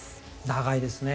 長いですね。